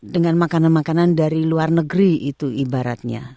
dengan makanan makanan dari luar negeri itu ibaratnya